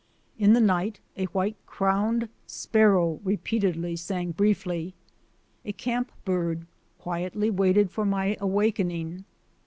In the night a white crowned sparrow repeatedly sang briefly. A camp bird quietly waited for my awakening.